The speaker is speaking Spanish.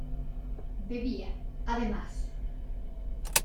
Debía, además.